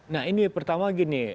nah ini pertama gini